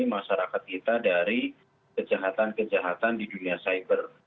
masyarakat kita dari kejahatan kejahatan di dunia cyber